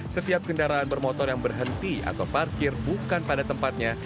setiap kendaraan bermotor yang berhenti atau parkir bukan pada tempatnya